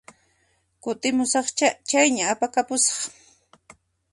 Kutimusaqchá, chayña apakapusaq